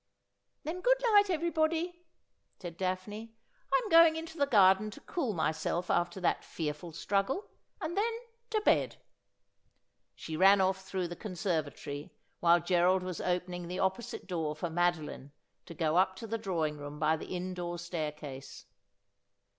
' Then good night everybody,' said Daphne. ' I'm going into the garden to cool myself after that fearful struggle, and then to bed.' She ran off through the conservatory while Gerald was open ing the opposite door for Madoline to go up to the drawing room by the indoor staircase.